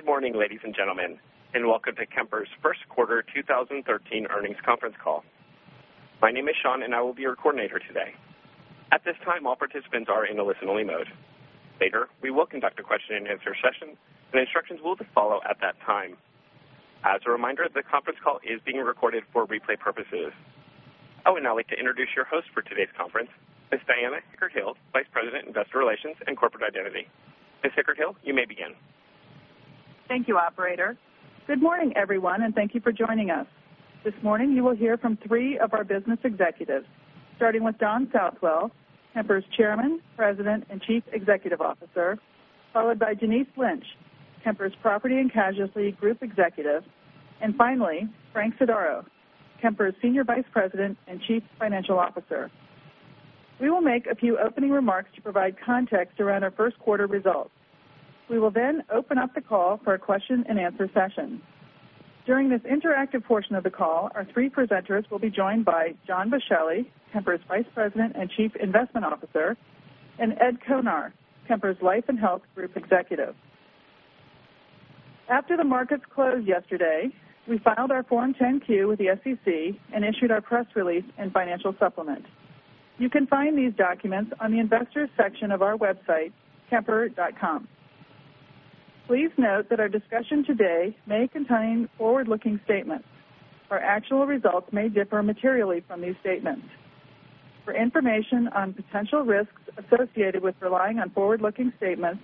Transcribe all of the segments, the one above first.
Good morning, ladies and gentlemen, and welcome to Kemper's first quarter 2013 earnings conference call. My name is Sean. I will be your coordinator today. At this time, all participants are in a listen-only mode. Later, we will conduct a question and answer session. Instructions will just follow at that time. As a reminder, the conference call is being recorded for replay purposes. I would now like to introduce your host for today's conference, Ms. Diana Hickert-Hill, Vice President, Investor Relations and Corporate Identity. Ms. Hickert-Hill, you may begin. Thank you, operator. Good morning, everyone. Thank you for joining us. This morning, you will hear from three of our business executives. Starting with Don Southwell, Kemper's Chairman, President, and Chief Executive Officer, followed by Denise Lynch, Kemper's Property and Casualty Group Executive, and finally, Frank Sodaro, Kemper's Senior Vice President and Chief Financial Officer. We will make a few opening remarks to provide context around our first quarter results. We will open up the call for a question and answer session. During this interactive portion of the call, our three presenters will be joined by John Boschelli, Kemper's Vice President and Chief Investment Officer, and Ed Konar, Kemper's Life and Health Group Executive. After the markets closed yesterday, we filed our Form 10-Q with the SEC and issued our press release and financial supplement. You can find these documents on the investors section of our website, kemper.com. Please note that our discussion today may contain forward-looking statements. Our actual results may differ materially from these statements. For information on potential risks associated with relying on forward-looking statements,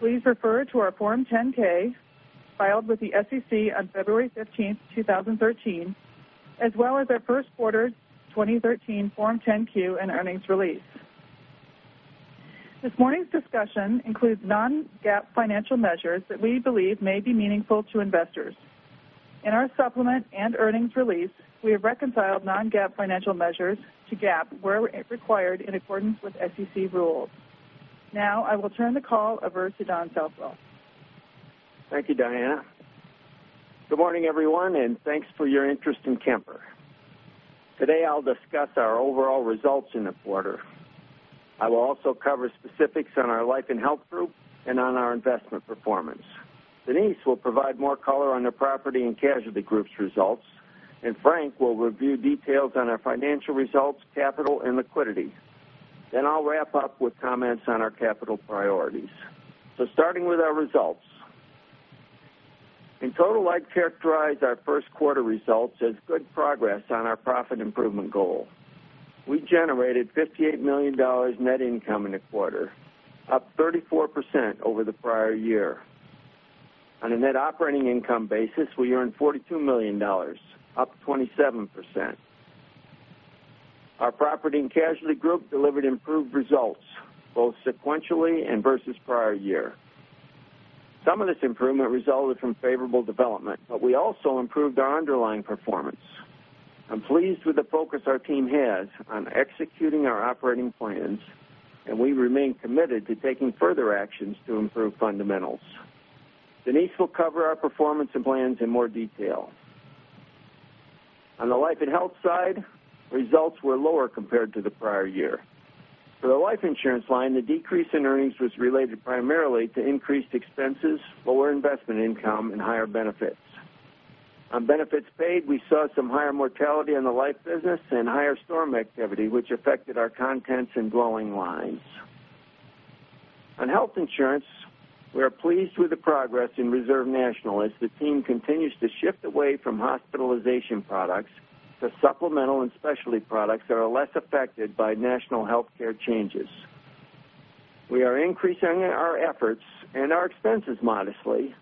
please refer to our Form 10-K filed with the SEC on February 15th, 2013, as well as our first quarter 2013 Form 10-Q and earnings release. This morning's discussion includes non-GAAP financial measures that we believe may be meaningful to investors. In our supplement and earnings release, we have reconciled non-GAAP financial measures to GAAP where required in accordance with SEC rules. Now I will turn the call over to Don Southwell. Thank you, Diana. Good morning, everyone. Thanks for your interest in Kemper. Today, I'll discuss our overall results in the quarter. I will also cover specifics on our life and health group and on our investment performance. Denise will provide more color on the property and casualty group's results. Frank will review details on our financial results, capital, and liquidity. I'll wrap up with comments on our capital priorities. Starting with our results. In total, I'd characterize our first quarter results as good progress on our profit improvement goal. We generated $58 million net income in the quarter, up 34% over the prior year. On a net operating income basis, we earned $42 million, up 27%. Our property and casualty group delivered improved results both sequentially and versus prior year. Some of this improvement resulted from favorable development. We also improved our underlying performance. I'm pleased with the focus our team has on executing our operating plans, and we remain committed to taking further actions to improve fundamentals. Denise will cover our performance and plans in more detail. On the life and health side, results were lower compared to the prior year. For the life insurance line, the decrease in earnings was related primarily to increased expenses, lower investment income, and higher benefits. On benefits paid, we saw some higher mortality in the life business and higher storm activity, which affected our contents and dwelling lines. On health insurance, we are pleased with the progress in Reserve National as the team continues to shift away from hospitalization products to supplemental and specialty products that are less affected by national healthcare changes. We are increasing our efforts and our expenses modestly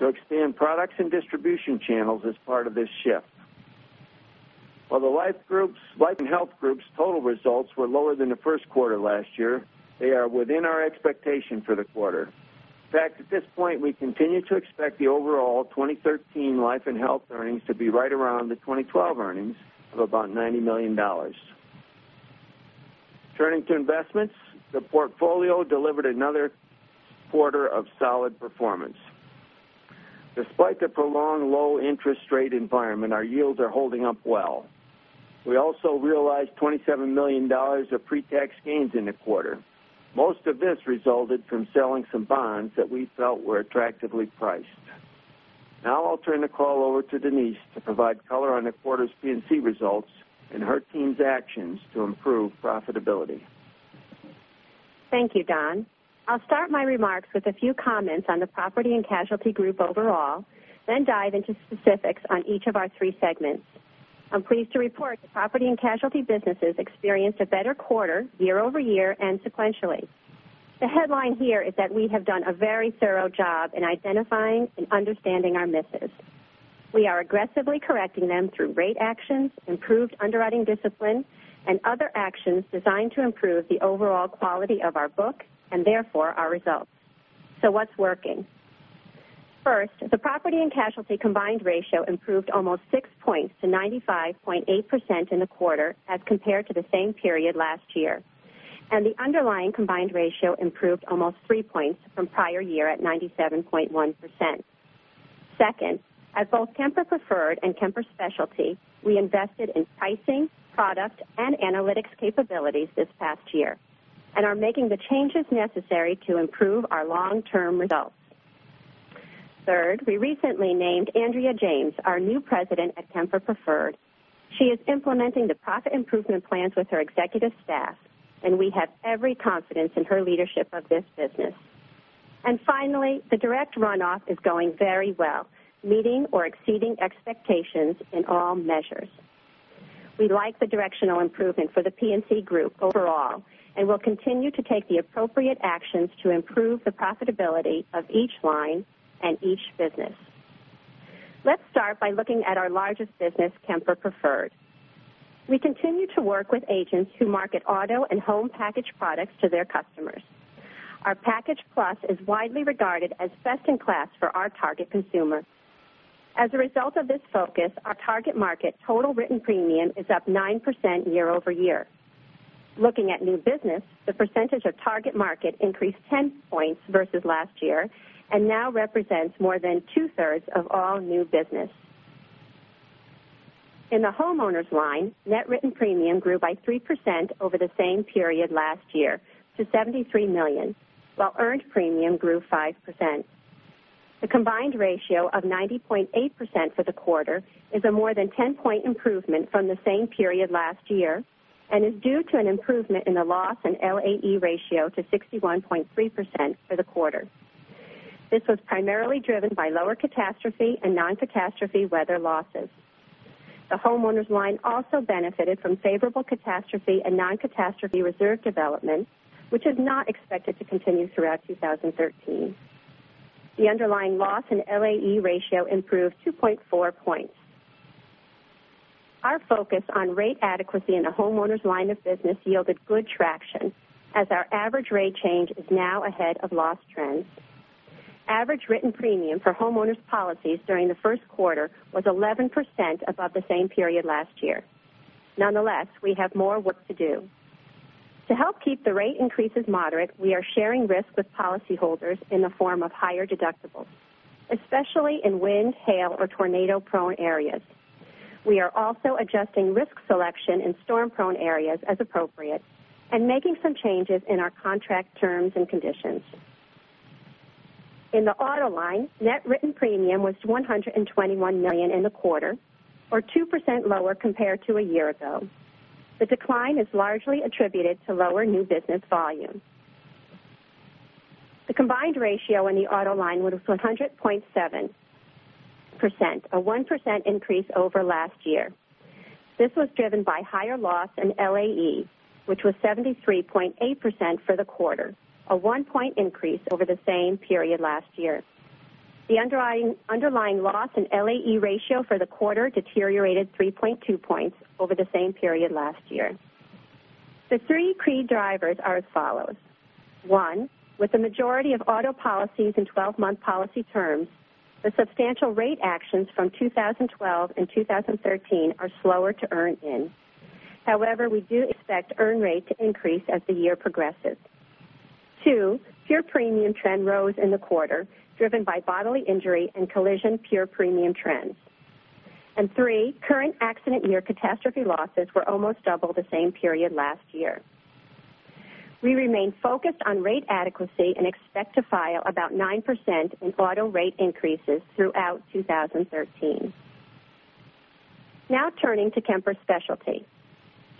to expand products and distribution channels as part of this shift. While the life and health group's total results were lower than the first quarter last year, they are within our expectation for the quarter. In fact, at this point, we continue to expect the overall 2013 life and health earnings to be right around the 2012 earnings of about $90 million. Turning to investments, the portfolio delivered another quarter of solid performance. Despite the prolonged low interest rate environment, our yields are holding up well. We also realized $27 million of pre-tax gains in the quarter. Most of this resulted from selling some bonds that we felt were attractively priced. I'll turn the call over to Denise to provide color on the quarter's P&C results and her team's actions to improve profitability. Thank you, Don. I'll start my remarks with a few comments on the property and casualty group overall, then dive into specifics on each of our three segments. I'm pleased to report the property and casualty businesses experienced a better quarter year-over-year and sequentially. The headline here is that we have done a very thorough job in identifying and understanding our misses. We are aggressively correcting them through rate actions, improved underwriting discipline, and other actions designed to improve the overall quality of our book and therefore our results. What's working? First, the property and casualty combined ratio improved almost six points to 95.8% in the quarter as compared to the same period last year. The underlying combined ratio improved almost three points from prior year at 97.1%. Second, at both Kemper Preferred and Kemper Specialty, we invested in pricing, product, and analytics capabilities this past year and are making the changes necessary to improve our long-term results. Third, we recently named Andrea James our new president at Kemper Preferred. She is implementing the profit improvement plans with her executive staff, and we have every confidence in her leadership of this business. Finally, the direct runoff is going very well, meeting or exceeding expectations in all measures. We like the directional improvement for the P&C group overall and will continue to take the appropriate actions to improve the profitability of each line and each business. Let's start by looking at our largest business, Kemper Preferred. We continue to work with agents who market auto and home package products to their customers. Our Package Plus is widely regarded as best in class for our target consumer. As a result of this focus, our target market total written premium is up 9% year-over-year. Looking at new business, the percentage of target market increased 10 points versus last year and now represents more than two-thirds of all new business. In the homeowners line, net written premium grew by 3% over the same period last year to $73 million, while earned premium grew 5%. The combined ratio of 90.8% for the quarter is a more than 10-point improvement from the same period last year and is due to an improvement in the loss and LAE ratio to 61.3% for the quarter. This was primarily driven by lower catastrophe and non-catastrophe weather losses. The homeowners line also benefited from favorable catastrophe and non-catastrophe reserve development, which is not expected to continue throughout 2013. The underlying loss and LAE ratio improved 2.4 points. Our focus on rate adequacy in the homeowners line of business yielded good traction as our average rate change is now ahead of loss trends. Average written premium for homeowners' policies during the first quarter was 11% above the same period last year. Nonetheless, we have more work to do. To help keep the rate increases moderate, we are sharing risk with policyholders in the form of higher deductibles, especially in wind, hail, or tornado-prone areas. We are also adjusting risk selection in storm-prone areas as appropriate and making some changes in our contract terms and conditions. In the auto line, net written premium was $121 million in the quarter, or 2% lower compared to a year ago. The decline is largely attributed to lower new business volume. The combined ratio in the auto line was 100.7%, a 1% increase over last year. This was driven by higher loss and LAE, which was 73.8% for the quarter, a one-point increase over the same period last year. The underlying loss and LAE ratio for the quarter deteriorated 3.2 points over the same period last year. The three key drivers are as follows. One, with the majority of auto policies and 12-month policy terms, the substantial rate actions from 2012 and 2013 are slower to earn in. However, we do expect earn rate to increase as the year progresses. Two, pure premium trend rose in the quarter, driven by bodily injury and collision pure premium trends. Three, current accident year catastrophe losses were almost double the same period last year. We remain focused on rate adequacy and expect to file about 9% in auto rate increases throughout 2013. Now turning to Kemper Specialty.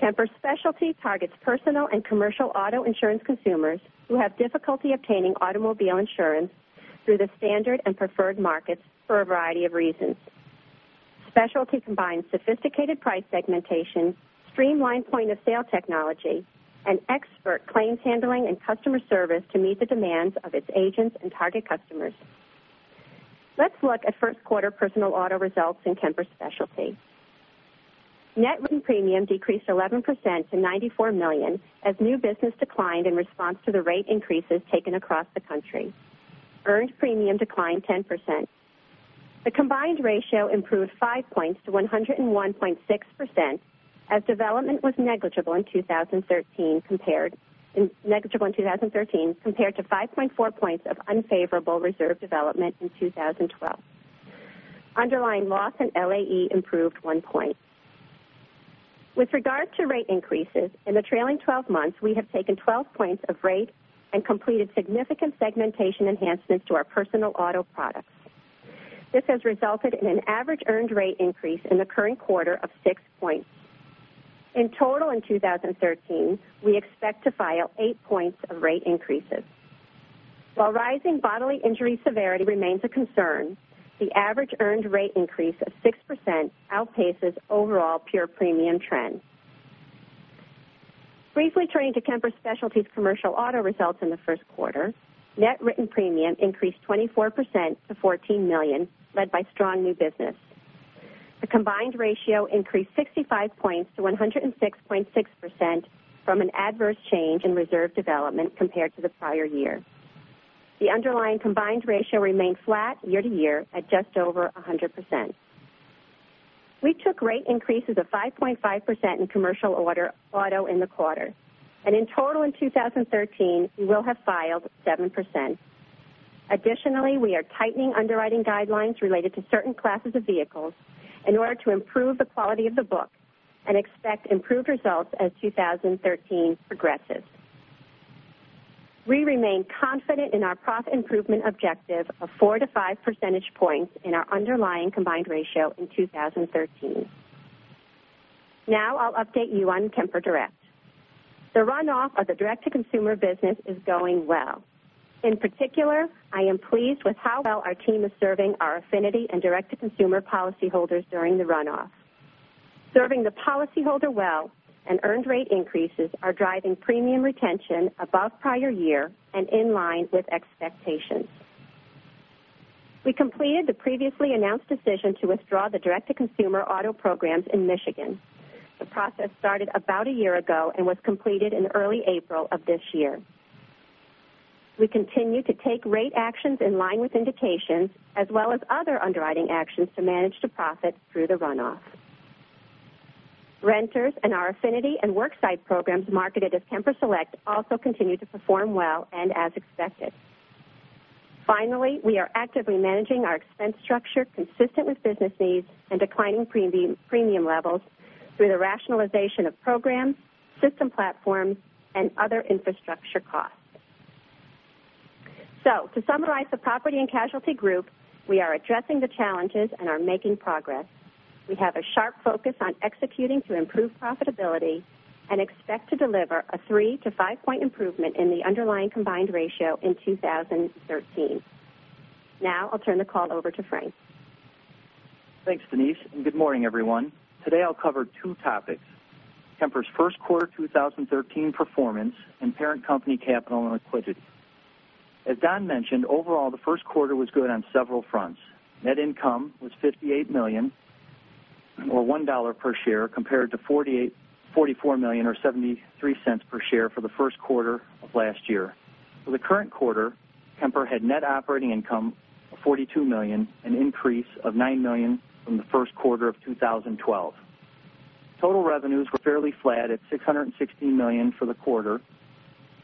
Kemper Specialty targets personal and commercial auto insurance consumers who have difficulty obtaining automobile insurance through the standard and preferred markets for a variety of reasons. Specialty combines sophisticated price segmentation, streamlined point-of-sale technology, and expert claims handling and customer service to meet the demands of its agents and target customers. Let's look at first quarter personal auto results in Kemper Specialty. Net written premium decreased 11% to $94 million as new business declined in response to the rate increases taken across the country. Earned premium declined 10%. The combined ratio improved five points to 101.6% as development was negligible in 2013 compared to 5.4 points of unfavorable reserve development in 2012. Underlying loss and LAE improved one point. With regard to rate increases, in the trailing 12 months, we have taken 12 points of rate and completed significant segmentation enhancements to our personal auto products. This has resulted in an average earned rate increase in the current quarter of six points. In total, in 2013, we expect to file eight points of rate increases. While rising bodily injury severity remains a concern, the average earned rate increase of 6% outpaces overall pure premium trends. Briefly turning to Kemper Specialty's commercial auto results in the first quarter. Net written premium increased 24% to $14 million, led by strong new business. The combined ratio increased 65 points to 106.6% from an adverse change in reserve development compared to the prior year. The underlying combined ratio remained flat year to year at just over 100%. We took rate increases of 5.5% in commercial auto in the quarter. In total, in 2013, we will have filed 7%. Additionally, we are tightening underwriting guidelines related to certain classes of vehicles in order to improve the quality of the book and expect improved results as 2013 progresses. We remain confident in our profit improvement objective of four to five percentage points in our underlying combined ratio in 2013. Now I'll update you on Kemper Direct. The runoff of the direct-to-consumer business is going well. In particular, I am pleased with how well our team is serving our affinity and direct-to-consumer policyholders during the runoff. Serving the policyholder well and earned rate increases are driving premium retention above prior year and in line with expectations. We completed the previously announced decision to withdraw the direct-to-consumer auto programs in Michigan. The process started about a year ago and was completed in early April of this year. We continue to take rate actions in line with indications as well as other underwriting actions to manage to profit through the runoff. Renters in our affinity and worksite programs marketed as Kemper Select also continue to perform well and as expected. Finally, we are actively managing our expense structure consistent with business needs and declining premium levels through the rationalization of programs, system platforms, and other infrastructure costs. To summarize the Property and Casualty Group, we are addressing the challenges and are making progress. We have a sharp focus on executing to improve profitability and expect to deliver a three- to five-point improvement in the underlying combined ratio in 2013. Now I'll turn the call over to Frank. Thanks, Denise, and good morning, everyone. Today I'll cover two topics, Kemper's first quarter 2013 performance and parent company capital and liquidity. As Don mentioned, overall, the first quarter was good on several fronts. Net income was $58 million, or $1 per share, compared to $44 million or $0.73 per share for the first quarter of last year. For the current quarter, Kemper had net operating income of $42 million, an increase of $9 million from the first quarter of 2012. Total revenues were fairly flat at $616 million for the quarter,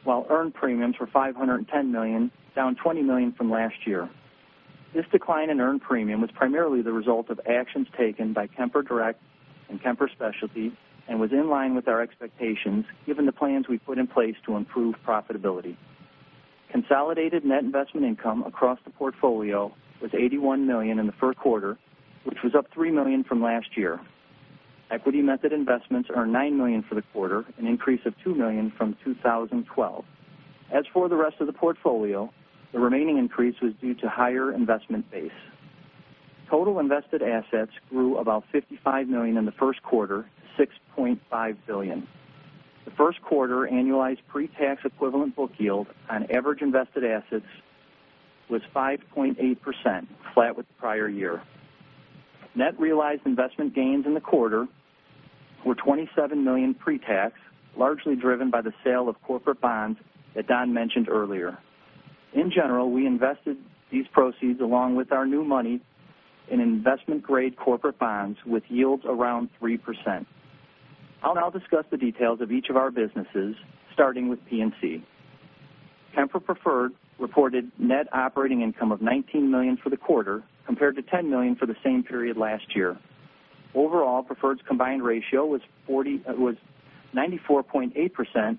while earned premiums were $510 million, down $20 million from last year. This decline in earned premium was primarily the result of actions taken by Kemper Direct and Kemper Specialty and was in line with our expectations, given the plans we put in place to improve profitability. Consolidated net investment income across the portfolio was $81 million in the first quarter, which was up $3 million from last year. Equity method investments earned $9 million for the quarter, an increase of $2 million from 2012. As for the rest of the portfolio, the remaining increase was due to higher investment base. Total invested assets grew about $55 million in the first quarter to $6.5 billion. The first quarter annualized pre-tax equivalent book yield on average invested assets was 5.8%, flat with prior year. Net realized investment gains in the quarter were $27 million pre-tax, largely driven by the sale of corporate bonds that Don mentioned earlier. In general, we invested these proceeds along with our new money in investment-grade corporate bonds with yields around 3%. I'll now discuss the details of each of our businesses, starting with P&C. Kemper Preferred reported net operating income of $19 million for the quarter, compared to $10 million for the same period last year. Overall, Preferred's combined ratio was 94.8%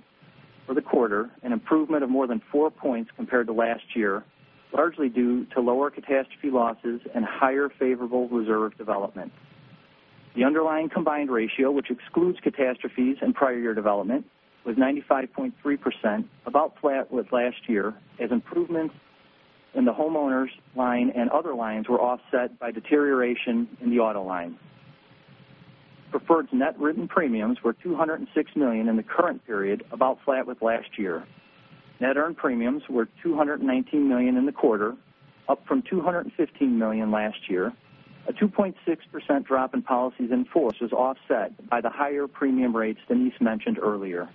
for the quarter, an improvement of more than four points compared to last year, largely due to lower catastrophe losses and higher favorable reserve development. The underlying combined ratio, which excludes catastrophes and prior year development, was 95.3%, about flat with last year, as improvements in the homeowners line and other lines were offset by deterioration in the auto line. Preferred's net written premiums were $206 million in the current period, about flat with last year. Net earned premiums were $219 million in the quarter, up from $215 million last year. A 2.6% drop in policies in force was offset by the higher premium rates Denise mentioned earlier.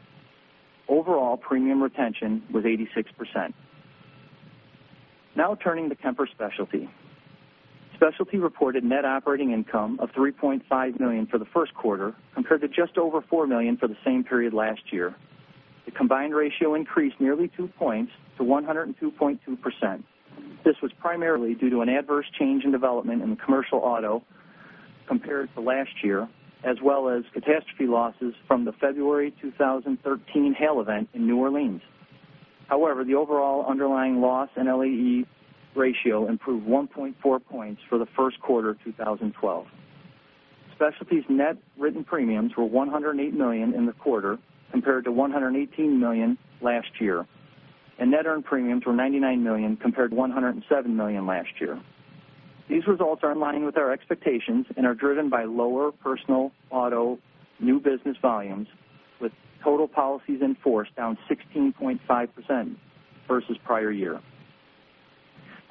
Overall, premium retention was 86%. Turning to Kemper Specialty. Specialty reported net operating income of $3.5 million for the first quarter, compared to just over $4 million for the same period last year. The combined ratio increased nearly two points to 102.2%. This was primarily due to an adverse change in development in the commercial auto compared to last year, as well as catastrophe losses from the February 2013 hail event in New Orleans. However, the overall underlying loss and LAE ratio improved 1.4 points for the first quarter 2012. Specialty's net written premiums were $108 million in the quarter, compared to $118 million last year. Net earned premiums were $99 million, compared to $107 million last year. These results are in line with our expectations and are driven by lower personal auto new business volumes, with total policies in force down 16.5% versus prior year.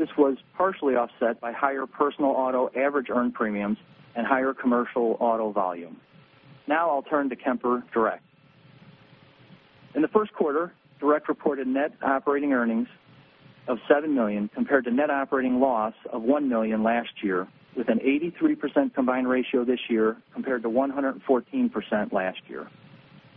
This was partially offset by higher personal auto average earned premiums and higher commercial auto volume. I'll turn to Kemper Direct. In the first quarter, Direct reported net operating earnings of $7 million compared to net operating loss of $1 million last year, with an 83% combined ratio this year compared to 114% last year.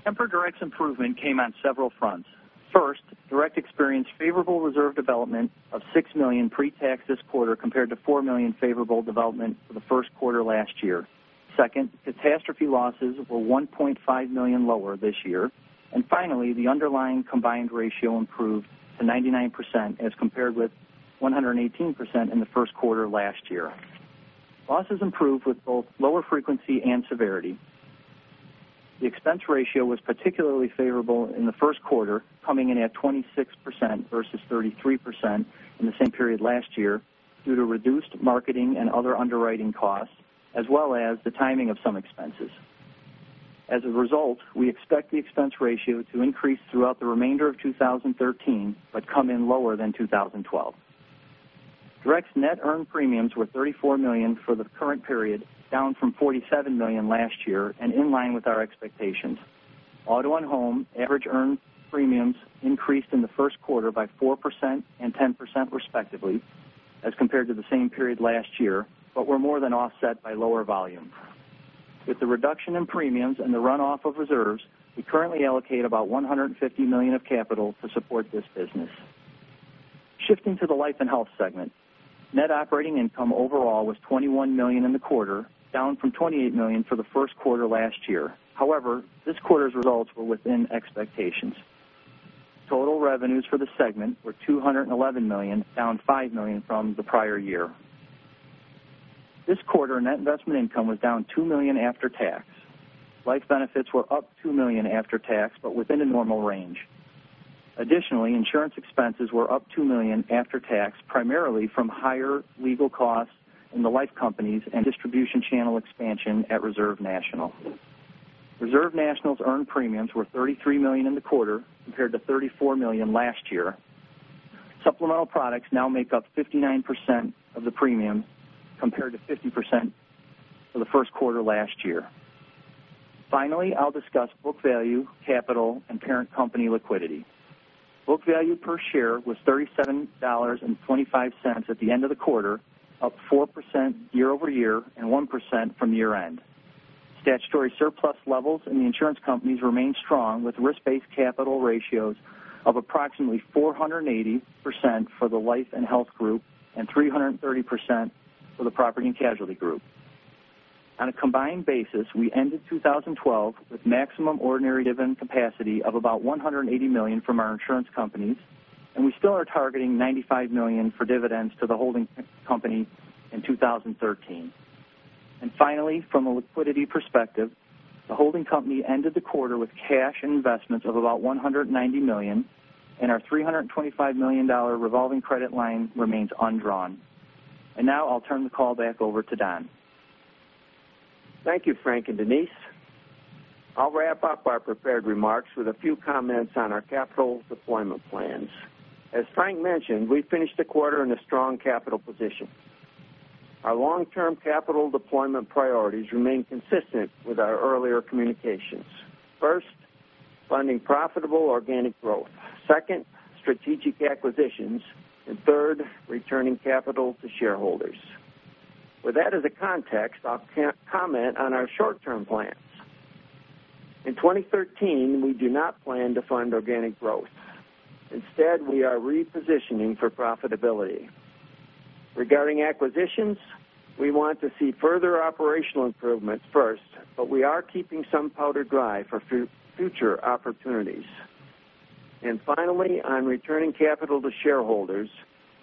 Kemper Direct's improvement came on several fronts. First, Direct experienced favorable reserve development of $6 million pre-tax this quarter, compared to $4 million favorable development for the first quarter last year. Second, catastrophe losses were $1.5 million lower this year. Finally, the underlying combined ratio improved to 99% as compared with 118% in the first quarter last year. Losses improved with both lower frequency and severity. The expense ratio was particularly favorable in the first quarter, coming in at 26% versus 33% in the same period last year due to reduced marketing and other underwriting costs, as well as the timing of some expenses. As a result, we expect the expense ratio to increase throughout the remainder of 2013 but come in lower than 2012. Kemper Direct's net earned premiums were $34 million for the current period, down from $47 million last year and in line with our expectations. Auto and home average earned premiums increased in the first quarter by 4% and 10% respectively as compared to the same period last year, but were more than offset by lower volume. With the reduction in premiums and the runoff of reserves, we currently allocate about $150 million of capital to support this business. Shifting to the life and health segment. Net operating income overall was $21 million in the quarter, down from $28 million for the first quarter last year. However, this quarter's results were within expectations. Total revenues for the segment were $211 million, down $5 million from the prior year. This quarter, net investment income was down $2 million after tax. Life benefits were up $2 million after tax but within a normal range. Additionally, insurance expenses were up $2 million after tax, primarily from higher legal costs in the life companies and distribution channel expansion at Reserve National. Reserve National's earned premiums were $33 million in the quarter compared to $34 million last year. Supplemental products now make up 59% of the premium, compared to 50% for the first quarter last year. Finally, I'll discuss book value, capital, and parent company liquidity. Book value per share was $37.25 at the end of the quarter, up 4% year-over-year and 1% from year-end. Statutory surplus levels in the insurance companies remain strong, with risk-based capital ratios of approximately 480% for the life and health group and 330% for the property and casualty group. On a combined basis, we ended 2012 with maximum ordinary dividend capacity of about $180 million from our insurance companies, and we still are targeting $95 million for dividends to the holding company in 2013. Finally, from a liquidity perspective, the holding company ended the quarter with cash and investments of about $190 million, and our $325 million revolving credit line remains undrawn. Now I'll turn the call back over to Don. Thank you, Frank and Denise. I'll wrap up our prepared remarks with a few comments on our capital deployment plans. As Frank mentioned, we finished the quarter in a strong capital position. Our long-term capital deployment priorities remain consistent with our earlier communications. First, funding profitable organic growth. Second, strategic acquisitions. Third, returning capital to shareholders. With that as a context, I'll comment on our short-term plans. In 2013, we do not plan to fund organic growth. Instead, we are repositioning for profitability. Regarding acquisitions, we want to see further operational improvements first, but we are keeping some powder dry for future opportunities. Finally, on returning capital to shareholders,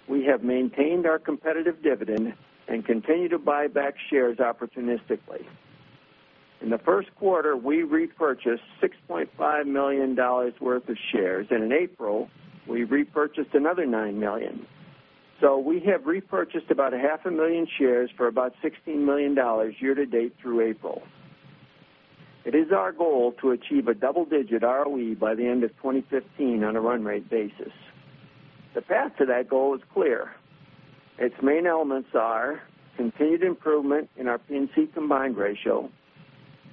we have maintained our competitive dividend and continue to buy back shares opportunistically. In the first quarter, we repurchased $6.5 million worth of shares, and in April, we repurchased another $9 million. We have repurchased about half a million shares for about $16 million year to date through April. It is our goal to achieve a double-digit ROE by the end of 2015 on a run rate basis. The path to that goal is clear. Its main elements are continued improvement in our P&C combined ratio,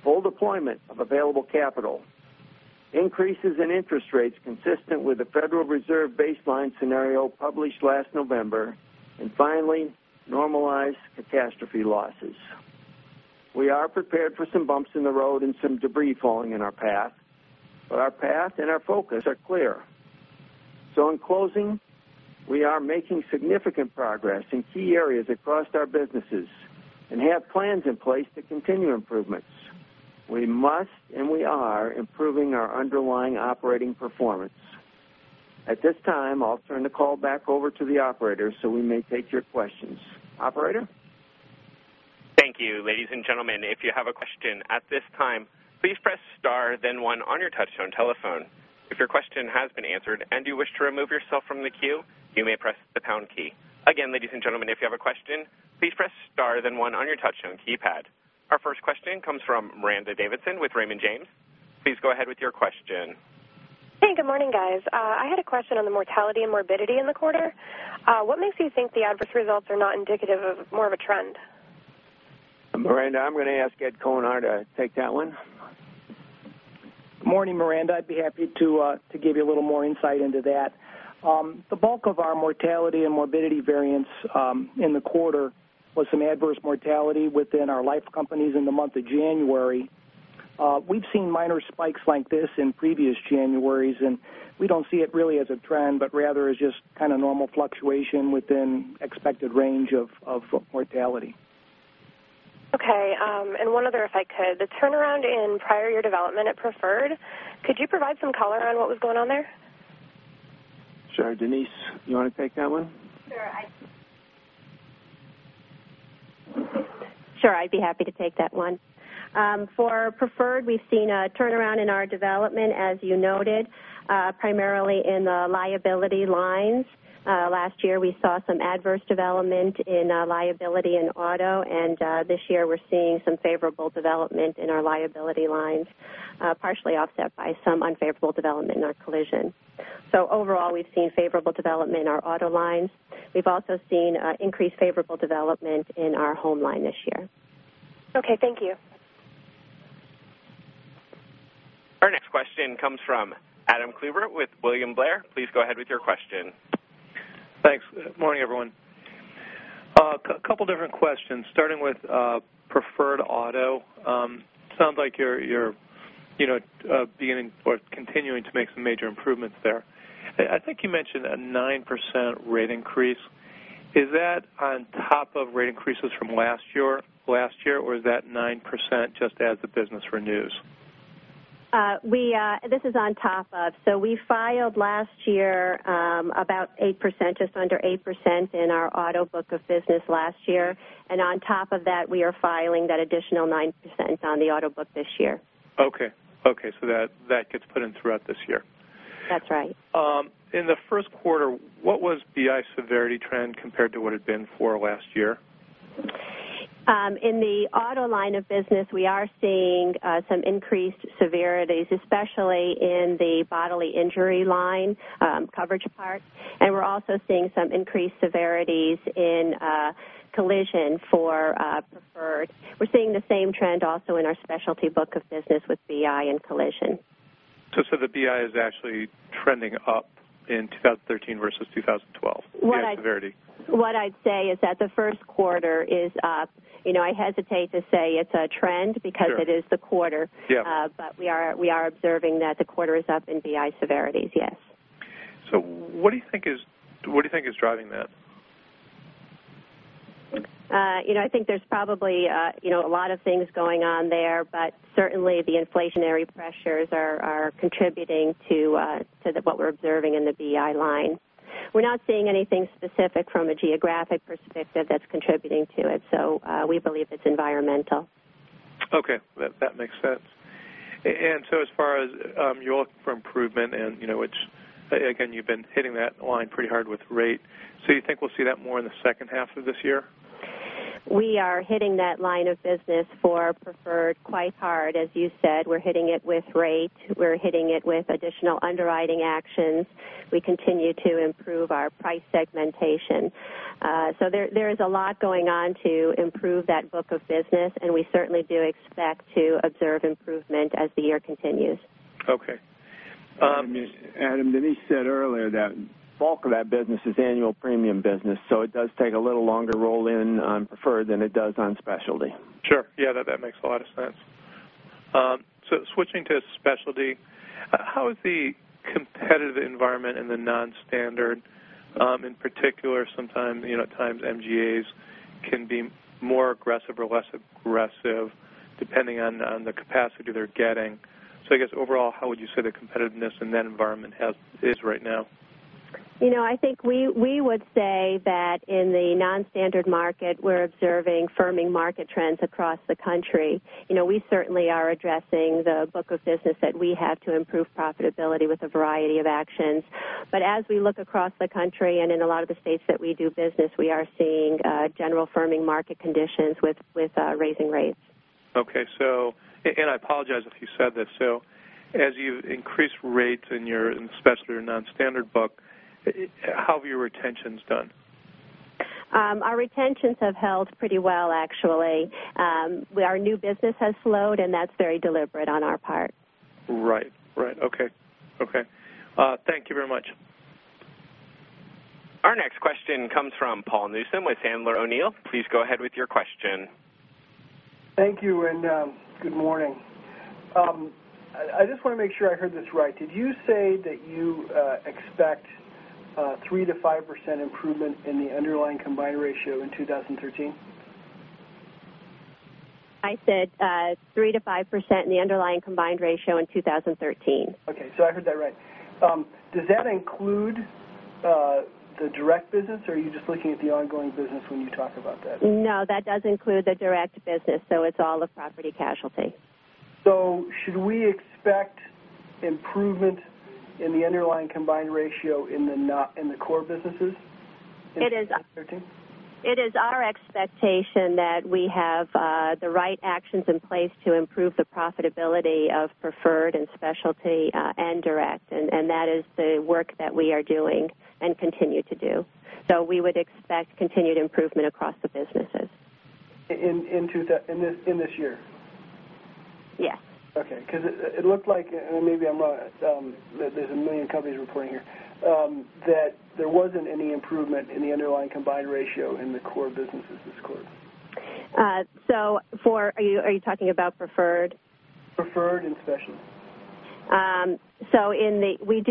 full deployment of available capital, increases in interest rates consistent with the Federal Reserve baseline scenario published last November, and finally, normalized catastrophe losses. We are prepared for some bumps in the road and some debris falling in our path, but our path and our focus are clear. In closing, we are making significant progress in key areas across our businesses and have plans in place to continue improvements. We must, and we are, improving our underlying operating performance. At this time, I'll turn the call back over to the operator so we may take your questions. Operator? Thank you. Ladies and gentlemen, if you have a question at this time, please press star then one on your touchtone telephone. If your question has been answered and you wish to remove yourself from the queue, you may press the pound key. Again, ladies and gentlemen, if you have a question, please press star then one on your touchtone keypad. Our first question comes from Miranda Davidson with Raymond James. Please go ahead with your question. Hey, good morning, guys. I had a question on the mortality and morbidity in the quarter. What makes you think the adverse results are not indicative of more of a trend? Miranda, I'm going to ask Ed Konar to take that one. Morning, Miranda. I'd be happy to give you a little more insight into that. The bulk of our mortality and morbidity variance in the quarter was some adverse mortality within our life companies in the month of January. We've seen minor spikes like this in previous Januaries, and we don't see it really as a trend, but rather as just kind of normal fluctuation within expected range of mortality. Okay. One other, if I could. The turnaround in prior year development at Preferred, could you provide some color on what was going on there? Sure. Denise, you want to take that one? Sure. I'd be happy to take that one. For Preferred, we've seen a turnaround in our development, as you noted, primarily in the liability lines. Last year, we saw some adverse development in liability in auto, and this year we're seeing some favorable development in our liability lines, partially offset by some unfavorable development in our collision. Overall, we've seen favorable development in our auto lines. We've also seen increased favorable development in our home line this year. Okay, thank you. Our next question comes from Adam Klauber with William Blair. Please go ahead with your question. Thanks. Morning, everyone. A couple different questions starting with Preferred Auto. Sounds like you're continuing to make some major improvements there. I think you mentioned a 9% rate increase. Is that on top of rate increases from last year, or is that 9% just as the business renews? This is on top of. We filed last year about 8%, just under 8% in our auto book of business last year. On top of that, we are filing that additional 9% on the auto book this year. Okay. That gets put in throughout this year. That's right. In the first quarter, what was BI severity trend compared to what it had been for last year? In the auto line of business, we are seeing some increased severities, especially in the bodily injury line coverage part. We're also seeing some increased severities in collision for Preferred. We're seeing the same trend also in our specialty book of business with BI and collision. The BI is actually trending up in 2013 versus 2012? The severity. What I'd say is that the first quarter is up. I hesitate to say it's a trend because it is the quarter. Sure. Yeah. We are observing that the quarter is up in BI severities, yes. What do you think is driving that? I think there's probably a lot of things going on there, but certainly the inflationary pressures are contributing to what we're observing in the BI line. We're not seeing anything specific from a geographic perspective that's contributing to it. We believe it's environmental. Okay. That makes sense. As far as you all for improvement and which again, you've been hitting that line pretty hard with rate. You think we'll see that more in the second half of this year? We are hitting that line of business for Kemper Preferred quite hard. As you said, we're hitting it with rate. We're hitting it with additional underwriting actions. We continue to improve our price segmentation. There is a lot going on to improve that book of business, and we certainly do expect to observe improvement as the year continues. Okay. Adam, Denise said earlier that bulk of that business is annual premium business. It does take a little longer roll in on Kemper Preferred than it does on Kemper Specialty. Sure. Yeah, that makes a lot of sense. Switching to Kemper Specialty, how is the competitive environment in the non-standard, in particular, sometimes MGAs can be more aggressive or less aggressive depending on the capacity they're getting. I guess overall, how would you say the competitiveness in that environment is right now? I think we would say that in the non-standard market, we're observing firming market trends across the country. We certainly are addressing the book of business that we have to improve profitability with a variety of actions. As we look across the country and in a lot of the states that we do business, we are seeing general firming market conditions with raising rates. Okay. I apologize if you said this. As you increase rates in your specialty or non-standard book, how have your retentions done? Our retentions have held pretty well, actually. Our new business has slowed, and that's very deliberate on our part. Right. Okay. Thank you very much. Our next question comes from Paul Newsome with Sandler O'Neill. Please go ahead with your question. Thank you. Good morning. I just want to make sure I heard this right. Did you say that you expect 3%-5% improvement in the underlying combined ratio in 2013? I said 3%-5% in the underlying combined ratio in 2013. Okay. I heard that right. Does that include the direct business, or are you just looking at the ongoing business when you talk about that? No, that does include the direct business, so it's all of property casualty. Should we expect improvement in the underlying combined ratio in the core businesses in 2013? It is our expectation that we have the right actions in place to improve the profitability of Preferred and Specialty and Direct, and that is the work that we are doing and continue to do. We would expect continued improvement across the businesses. In this year? Yes. Okay. It looked like, maybe there's a million companies reporting here, that there wasn't any improvement in the underlying combined ratio in the core businesses this quarter. Are you talking about Preferred? Preferred and Specialty. We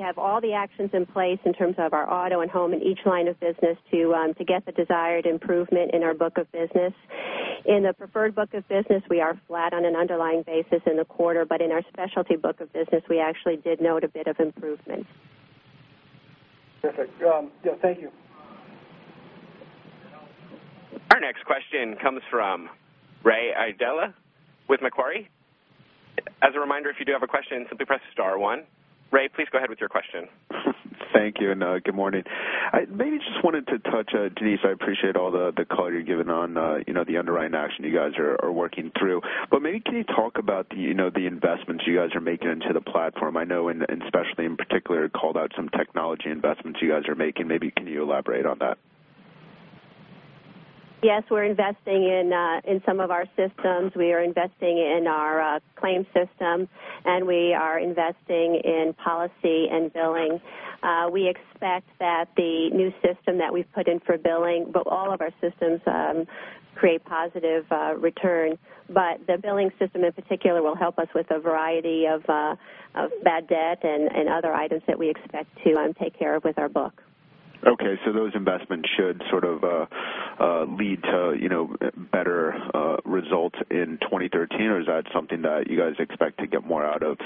have all the actions in place in terms of our auto and home in each line of business to get the desired improvement in our book of business. In the Preferred book of business, we are flat on an underlying basis in the quarter, but in our Specialty book of business, we actually did note a bit of improvement. Perfect. Thank you. Our next question comes from Jay Adelaar with Macquarie. As a reminder, if you do have a question, simply press star one. Jay, please go ahead with your question. Thank you, and good morning. Maybe just wanted to touch, Denise, I appreciate all the color you're giving on the underwriting action you guys are working through. Maybe can you talk about the investments you guys are making into the platform? I know in specialty in particular, you called out some technology investments you guys are making. Maybe can you elaborate on that? Yes, we're investing in some of our systems. We are investing in our claims system, and we are investing in policy and billing. We expect that the new system that we've put in for billing, but all of our systems create positive return. The billing system in particular will help us with a variety of bad debt and other items that we expect to take care of with our book. Okay, those investments should sort of lead to better results in 2013, or is that something that you guys expect to get more out of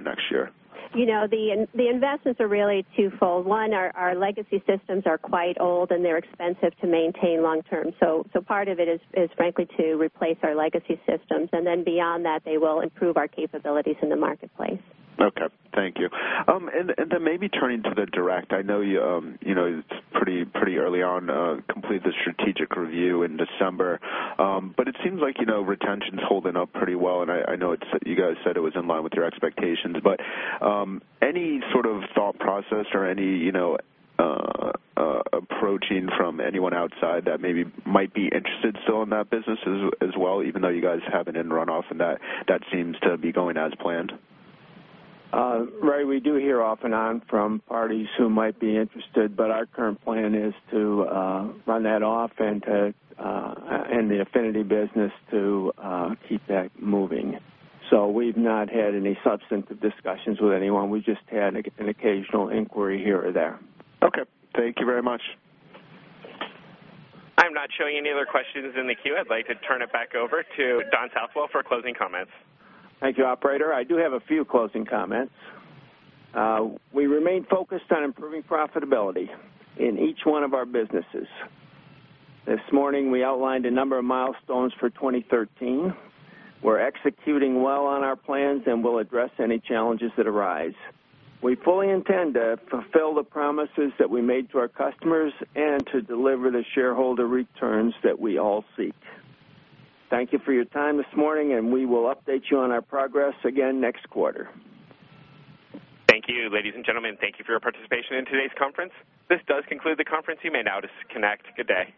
next year? The investments are really twofold. One, our legacy systems are quite old, and they're expensive to maintain long-term. Part of it is frankly to replace our legacy systems. Beyond that, they will improve our capabilities in the marketplace. Okay, thank you. Maybe turning to the direct, I know it's pretty early on, completed the strategic review in December. It seems like retention's holding up pretty well, and I know you guys said it was in line with your expectations. Any sort of thought process or any approaching from anyone outside that maybe might be interested still in that business as well, even though you guys have it in runoff and that seems to be going as planned? Jay, we do hear off and on from parties who might be interested, our current plan is to run that off and the affinity business to keep that moving. We've not had any substantive discussions with anyone. We've just had an occasional inquiry here or there. Okay. Thank you very much. I'm not showing any other questions in the queue. I'd like to turn it back over to Don Southwell for closing comments. Thank you, operator. I do have a few closing comments. We remain focused on improving profitability in each one of our businesses. This morning, we outlined a number of milestones for 2013. We're executing well on our plans. We'll address any challenges that arise. We fully intend to fulfill the promises that we made to our customers and to deliver the shareholder returns that we all seek. Thank you for your time this morning. We will update you on our progress again next quarter. Thank you. Ladies and gentlemen, thank you for your participation in today's conference. This does conclude the conference. You may now disconnect. Good day